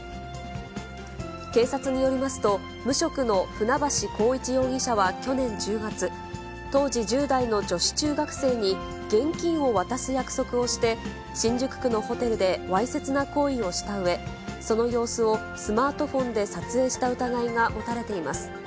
警察によりますと、無職の船橋光一容疑者は去年１０月、当時１０代の女子中学生に、現金を渡す約束をして、新宿区のホテルでわいせつな行為をしたうえ、その様子をスマートフォンで撮影した疑いが持たれています。